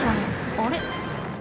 あれ？